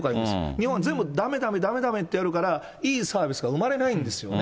日本は全部、だめだめだめだめってやるから、いいサービスが生まれないんですよね。